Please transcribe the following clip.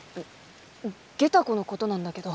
ゲタ子のことなんだけど。